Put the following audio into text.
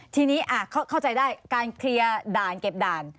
ทีนี้เข้าใจได้การเคลียร์ด่านเก็บด่าน